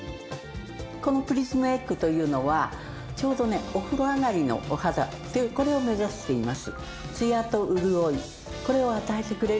このプリズムエッグというのはちょうどねお風呂上がりのお肌っていうこれを目指しています。